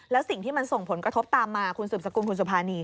แล้วสิ่งที่มันส่งผลกระทบตามมาคุณสืบสกุลคุณสุภานี